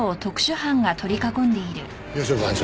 吉岡班長。